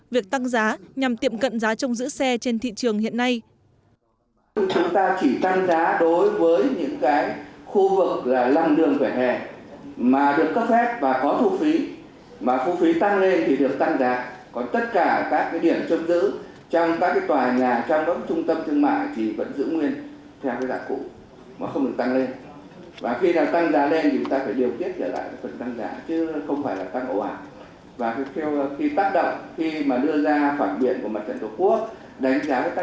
việc tăng giá nhằm tiệm cận giá trông dữ xe trên thị trường hiện nay